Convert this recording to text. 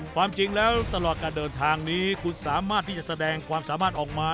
ความจริงแล้วตลอดการเดินทางนี้คุณสามารถที่จะแสดงความสามารถออกมา